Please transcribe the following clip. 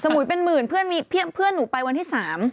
เหมือนเพื่อนหนูไปวันที่๓